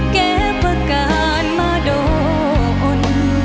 แก้ประการมาโดน